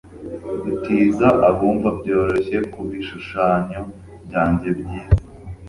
Gutiza abumva byoroshye kubishushanyo byanjye byiza